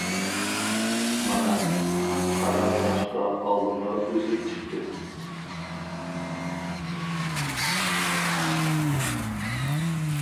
مانا، قارا قاشقا ئالدىغا ئۈزۈپ چىقتى.